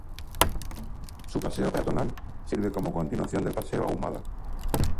Su paseo peatonal sirve como continuación del Paseo Ahumada.